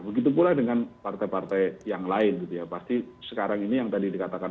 maka dengan partai partai yang lain pasti sekarang ini yang tadi dikatakan